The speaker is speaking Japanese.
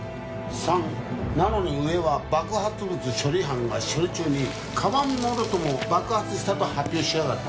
３。なのに上は爆発物処理班が処理中に鞄もろとも爆発したと発表しやがった。